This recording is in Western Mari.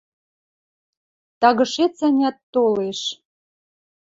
Тагышец-ӓнят толеш.